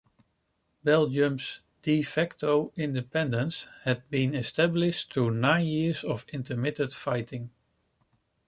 Belgium's "de facto" independence had been established through nine years of intermittent fighting.